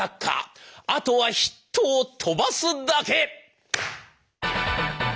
あとはヒットを飛ばすだけ！